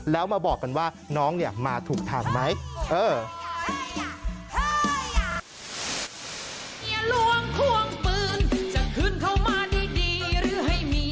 แล้วมาบอกกันว่าน้องเนี่ยมาถูกทางไหม